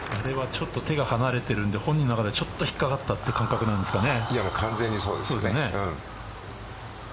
手が離れてるので本人の中でちょっと引っかかったという感覚なんですかね。